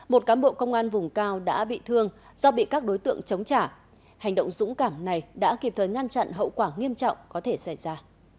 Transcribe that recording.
do bị các đối tượng chống trả hành động dũng cảm này đã kịp thời ngăn chặn hậu quả nghiêm trọng có thể xảy ra